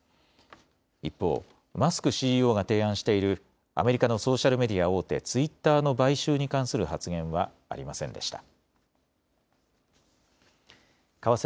一方、マスクＣＥＯが提案しているアメリカのソーシャルメディア大手、ツイッターの買収に関する発言はありませんでした。